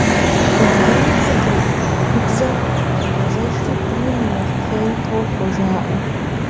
Убгэну фӏыкъым, гыбзэм къегъэзэжри быным я нэхъ хейм тохуэ, жаӀэ.